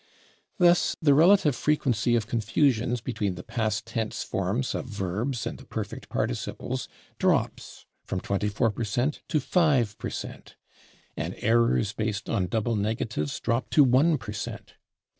Thus, the relative frequency of confusions between the past tense forms of verbs and the perfect participles drops from 24 per cent to 5 per cent, and errors based on double negatives drop to 1 per cent.